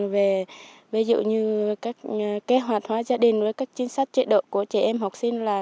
về ví dụ như các kế hoạch hóa gia đình với các chính sách chế độ của trẻ em học sinh là